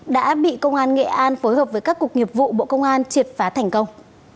đã bị công an nghệ an phối hợp với các cục nghiệp vụ bộ công an triệt phá thành công